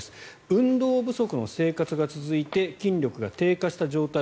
運動不足の生活が続いて筋力が低下した状態